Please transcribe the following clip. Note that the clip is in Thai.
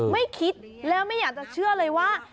ไม่คิดแล้วไม่อยากจะเชื่อเลยว่า